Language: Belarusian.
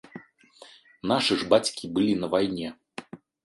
Нашы ж бацькі былі на вайне!